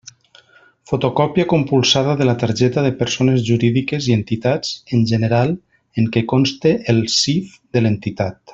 Fotocòpia compulsada de la targeta de persones jurídiques i entitats en general en què conste el CIF de l'entitat.